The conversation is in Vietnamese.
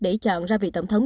để chọn ra vị tổng thống